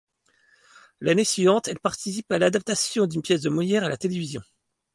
L'année suivante, elle participe à l'adaptation d'une pièce de Molière à la télévision.